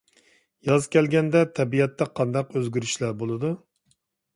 ياز كەلگەندە تەبىئەتتە قانداق ئۆزگىرىشلەر بولىدۇ؟